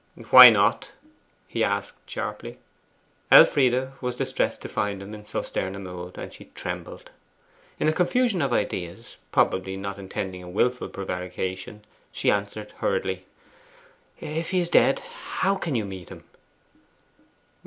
'Why not?' he asked sharply. Elfride was distressed to find him in so stern a mood, and she trembled. In a confusion of ideas, probably not intending a wilful prevarication, she answered hurriedly 'If he's dead, how can you meet him?